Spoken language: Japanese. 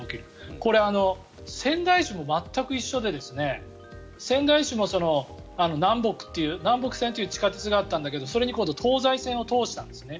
これ、仙台市も全く一緒で仙台市も南北線という地下鉄があったんだけど今度、それに東西線を通したんですね。